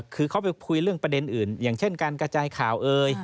คือเขาไปคุยเรื่องประเด็นอื่นอย่างเช่นการกระจายข่าวเอ่ย